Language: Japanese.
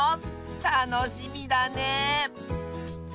たのしみだね！